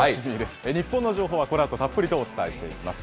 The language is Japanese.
日本の情報はこのあとたっぷりとお伝えしていきます。